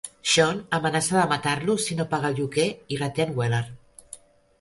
Sean amenaça de matar-lo si no paga el lloguer i reten Wellard.